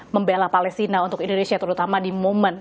membela palestina untuk indonesia terutama di momen